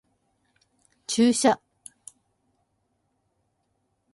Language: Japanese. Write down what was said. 注射